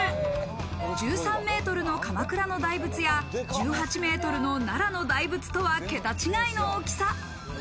１３ｍの鎌倉の大仏や１８ｍの奈良の大仏とは桁違いの大きさ。